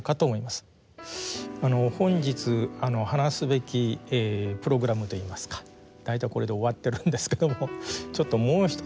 本日話すべきプログラムといいますか大体これで終わってるんですけどもちょっともう一つですね